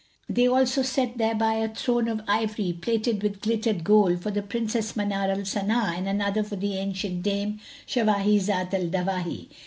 They also set thereby a throne of ivory, plated with glittering gold, for the Princess Manar al Sana and another for the ancient dame Shawahi Zat al Dawahi.